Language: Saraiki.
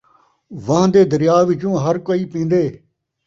وہن٘دے دریا وچوں ہر کئی پین٘دے